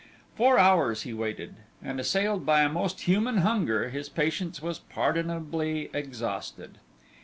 Four hours he waited, and assailed by a most human hunger, his patience was pardonably exhausted.